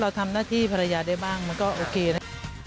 ทำหน้าที่ภรรยาได้บ้างมันก็โอเคนะ